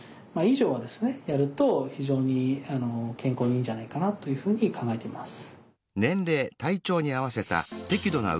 やると非常に健康にいいんじゃないかなというふうに考えています。